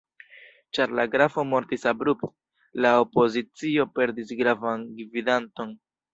Ĉar la grafo mortis abrupte, la opozicio perdis gravan gvidanton.